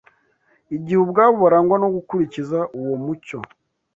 Igihe ubwabo barangwa no gukurikiza uwo mucyo